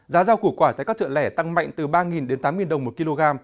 giá rau củ quả tại các chợ lẻ tăng mạnh từ ba đến tám đồng một kg